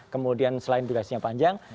kemudian selain tugasnya panjang